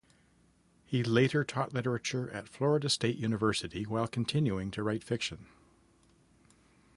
He later taught literature at Florida State University while continuing to write fiction.